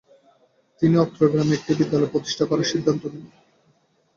তিনি অত্র গ্রামে একটি বিদ্যালয় প্রতিষ্ঠা করার সিদ্ধান্ত নেন।